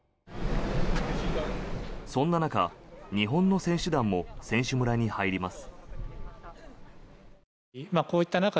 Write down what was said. そんな中、日本の選手団も選手村に入ります。